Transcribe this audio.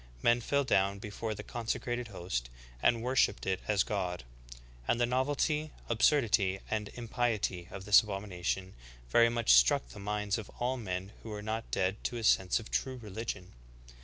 Men fell down before the consecrated host, and worshiped it as God; and the novelty, absurdity, and impiety of this abomination very much struck the minds of all men who were not dead to a sense of true religion."'